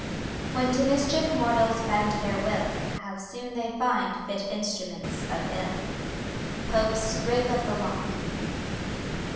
When to mischief mortals bend their will, How soon they find fit instruments of ill. POPE'S "RAPE OF THE LOCK."